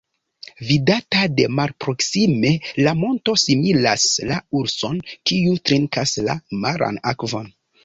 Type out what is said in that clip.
Vidata de malproksime la monto similas la urson, kiu trinkas la maran akvon.